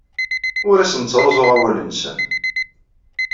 Ur asen-ttruẓuɣ awal-nsen.